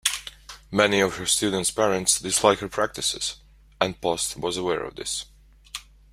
Many of her students' parents disliked her practices, and Post was aware of this.